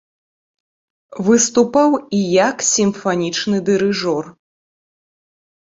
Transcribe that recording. Выступаў і як сімфанічны дырыжор.